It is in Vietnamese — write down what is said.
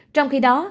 trong khi đó